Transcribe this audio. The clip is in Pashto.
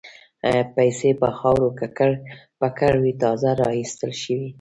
پیسې په خاورو ککړ پکر وې تازه را ایستل شوې.